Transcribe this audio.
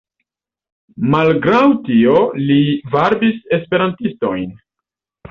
Malgraŭ tio li varbis Esperantistojn.